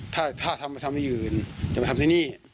ถ้าทำอะไรอื่นจะมาทำที่นี่